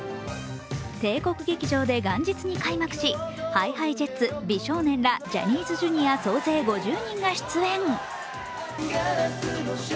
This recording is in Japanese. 帝国劇場で元日に開幕し、ＨｉＨｉＪｅｔｓ、美少年らジャニーズＪｒ．総勢５０名が出演。